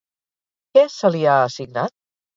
Què se li ha assignat?